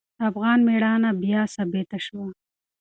افغان میړانه بیا ثابته شوه.